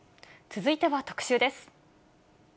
続いては特集です。